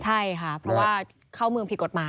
ใช่ค่ะเพราะว่าเข้าเมืองผิดกฎหมาย